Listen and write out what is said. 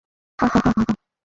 হাঃ হাঃ হাঃ হাঃ!